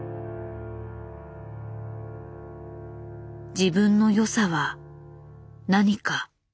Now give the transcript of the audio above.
自分の良さは何か。